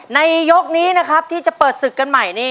ในยกนี้นะครับที่จะเปิดศึกกันใหม่นี่